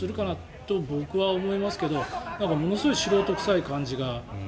って僕は思いますけどものすごい素人臭い感じが。